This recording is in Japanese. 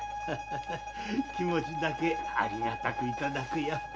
ハハ気持ちだけありがたくいただくよ。